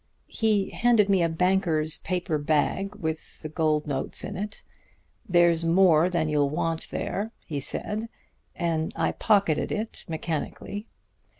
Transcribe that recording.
He handed me a banker's paper bag with gold and notes in it. 'There's more than you'll want there,' he said, and I pocketed it mechanically.